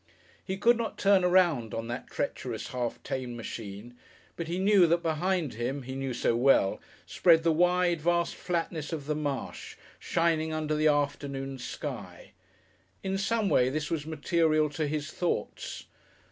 He could not turn around on that treacherous, half tamed machine, but he knew that behind him, he knew so well, spread the wide, vast flatness of the Marsh shining under the afternoon sky. In some way this was material to his thoughts.